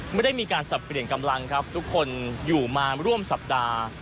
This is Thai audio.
ไม่ได้มีการสับเปลี่ยนกำลังครับทุกคนอยู่มาร่วมสัปดาห์